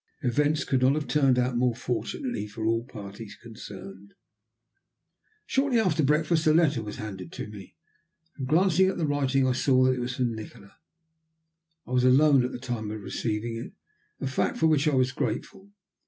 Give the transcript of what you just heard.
Events could not have turned out more fortunately for all parties concerned. Shortly after breakfast a letter was handed to me, and, glancing at the writing, I saw that it was from Nikola. I was alone at the time of receiving it, a fact for which I was grateful.